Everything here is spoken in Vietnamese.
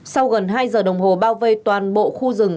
sau gần hai giờ đồng hồ bao vây toàn bộ khu rừng